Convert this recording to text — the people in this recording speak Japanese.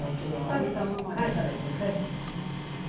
置いたままにされてる。